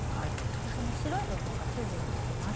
この白い部分がスジになります。